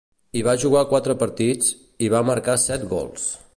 Hi va jugar quatre partits, i hi va marcar set gols.